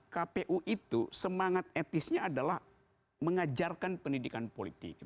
kpu itu semangat etnisnya adalah mengajarkan pendidikan politik